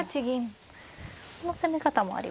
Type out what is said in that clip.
この攻め方もありますか。